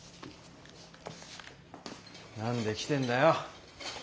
何で来てんだよ。